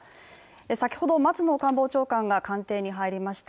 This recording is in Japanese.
先ほど松野官房長官が官邸に入りました。